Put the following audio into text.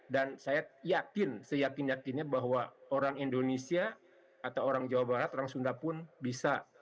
dan saya yakin seyakin yakinnya bahwa orang indonesia atau orang jawa barat orang sunda pun bisa